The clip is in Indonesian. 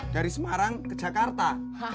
dari semarang ke jakarta